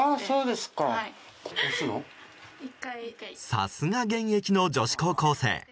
さすが現役の女子高校生。